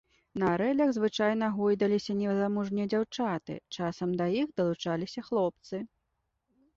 На арэлях звычайна гойдаліся незамужнія дзяўчаты, часам да іх далучаліся хлопцы.